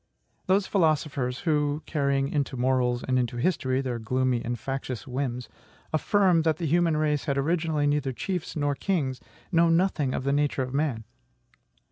Those philosophers who (carrying into morals and into history their gloomy and factious whims) affirm that the human race had originally neither chiefs nor kings, know nothing of the nature of man.